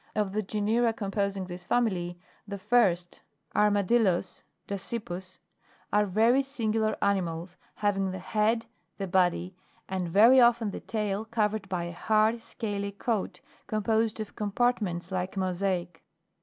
Of the genera composing this family, the 6. 1st. ARMADILLOS, Dasypus, (Plate 4, fig. 2.) Are very singular animals, having the head, the body, and very often the tail, covered by a hard, scaly coat, composed of compartments like mosaic.